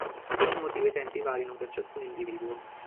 Per questo motivo i tempi variano per ciascun individuo.